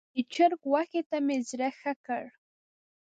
د چرګ غوښې ته مې زړه ښه کړ.